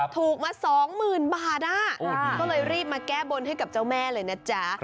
ถูกมา๒๐๐๐บาทก็เลยรีบมาแก้บนให้กับเจ้าแม่เลยนะจ๊ะ